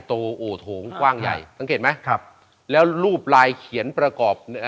โตโถงกว้างใหญ่สังเกตไหมและรูปลายเขียนประกอบ